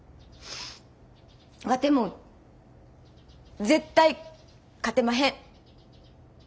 ワテも絶対勝てまへん。